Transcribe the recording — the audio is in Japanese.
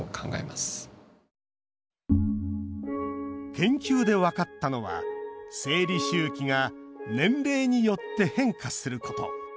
研究で分かったのは生理周期が年齢によって変化すること